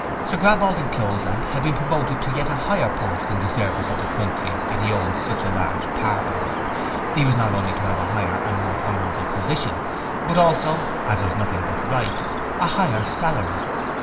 Sir Graball D'Encloseland had been promoted to yet a higher post in the service of the country that he owned such a large part of; he was not only to have a higher and more honourable position, but also as was nothing but right a higher salary.